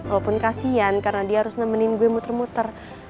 walaupun kasian karena dia harus nemenin gue muter muter